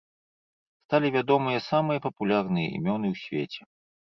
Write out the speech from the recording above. Сталі вядомыя самыя папулярныя імёны ў свеце.